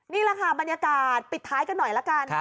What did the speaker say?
นี่แหละค่ะบรรยากาศปิดท้ายกันหน่อยละกัน